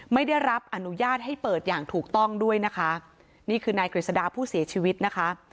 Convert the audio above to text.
ไม่ได้รับอนุญาตให้เปิดอย่างถูกต้องด้วยนะคะนี่คือนายกฤษดาผู้เสียชีวิตนะคะ